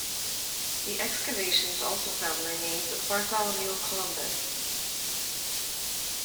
The excavations also found the remains of Bartholomew Columbus.